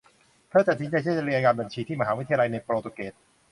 เธอตัดสินใจที่จะเรียนการบัญชีที่มหาวิทยาลัยในโปรตุเกส